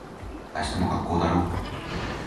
明日も学校だろ。